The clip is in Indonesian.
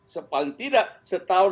sepaling tidak setahun